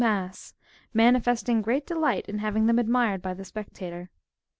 mass, manifesting great delight in having them admired by the spectator.